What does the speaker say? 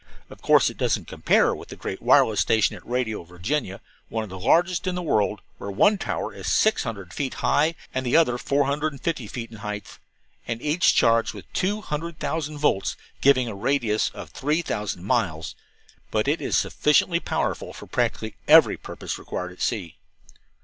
"Of course, it doesn't compare with the great wireless station at Radio, Virginia, one of the largest in the world, where one tower is six hundred feet high and the other four hundred and fifty feet in height, and each charged with two hundred thousand volts, giving a radius of three thousand miles; but it is sufficiently powerful for practically every purpose required at sea."